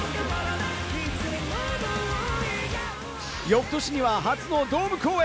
翌年には初のドーム公演。